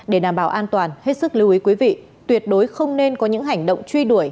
để đảm bảo an toàn hết sức lưu ý quý vị tuyệt đối không nên có những hành động truy đuổi